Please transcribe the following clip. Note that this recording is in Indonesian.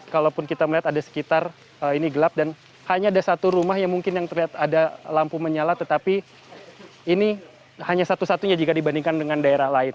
kalaupun kita melihat ada sekitar ini gelap dan hanya ada satu rumah yang mungkin yang terlihat ada lampu menyala tetapi ini hanya satu satunya jika dibandingkan dengan daerah lain